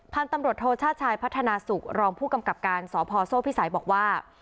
พันธุ์ตำรวจโทชาติชายพัฒนาศุกร์รองผู้กำกับการสพโซ่พิสัยบอกว่า